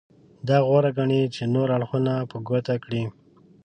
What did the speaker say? دا غوره ګڼي چې نور اړخونه په ګوته کړي.